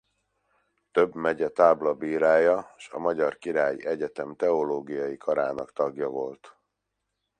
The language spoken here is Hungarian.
Több megye táblabírája s a magyar királyi egyetem teológiai karának tagja volt.